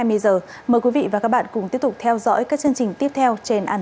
mời quý vị và các bạn cùng tiếp tục theo dõi các chương trình tiếp theo trên antv